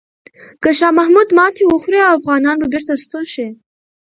که شاه محمود ماتې وخوري، افغانان به بیرته ستون شي.